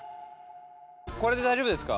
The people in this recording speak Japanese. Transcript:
これで大丈夫ですか。